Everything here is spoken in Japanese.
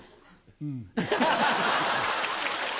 うん。